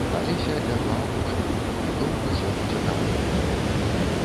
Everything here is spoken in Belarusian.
Алеся лягла апошняю, і доўга сон уцякаў ад яе.